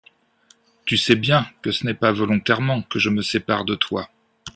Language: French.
Tu sais bien que ce n'est pas volontairement que je me sépare de toi.